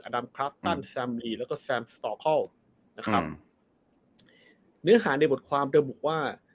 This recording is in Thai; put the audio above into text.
ดำคลัสตันแซมลีแล้วก็แซมสตอคอลนะครับเนื้อหาในบทความระบุว่า